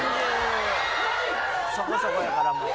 そこそこやからもう。